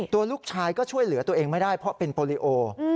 ตัวลูกชายก็ช่วยเหลือตัวเองไม่ได้เพราะเป็นโปรลิโอ